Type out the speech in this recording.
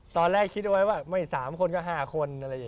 ตอนแรกคิดไว้ว่าไม่๓คนก็๕คน